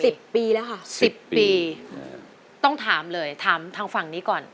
สิบปีแล้วค่ะสิบปีอืมต้องถามเลยถามทางฝั่งนี้ก่อน